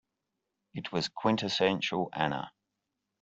It was quintessential Anna.